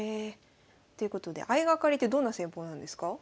ということで相掛かりってどんな戦法なんですか？